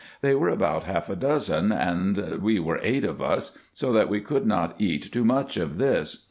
They were about half a dozen, and we were eight of us, so that we could not eat too much of this.